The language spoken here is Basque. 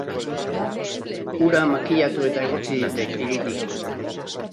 Hura makilatu eta egotzi ditek hiritik.